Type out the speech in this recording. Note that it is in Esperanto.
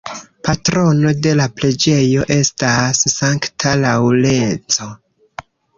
Patrono de la preĝejo estas Sankta Laŭrenco.